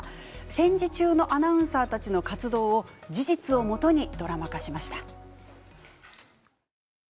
戦時中のアナウンサーたちの活動を事実をもとにドラマ化しました。